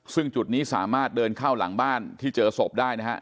ซึ่งจุดนี้สามารถเดินเข้าหลังบ้านที่เจอศพได้นะครับ